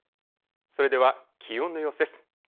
それでは気温の様子です。